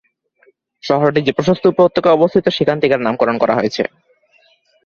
শহরটি যে প্রশস্ত উপত্যকায় অবস্থিত, সেখান থেকে এর নামকরণ করা হয়েছে।